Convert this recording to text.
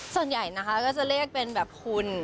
ส่วนใหญ่นะคะก็จะเรียกเป็นแบบคุณ